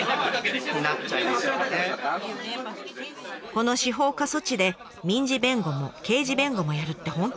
この司法過疎地で民事弁護も刑事弁護もやるって本当に大変。